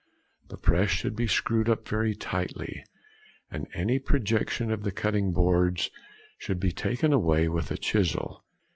The press should be screwed up very tightly, and any projection of the cutting boards should be taken away with a chisel.